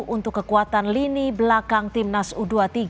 untuk kekuatan lini belakang timnas u dua puluh tiga